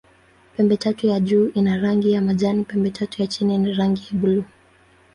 Pembetatu ya juu ina rangi ya majani, pembetatu ya chini ni ya buluu.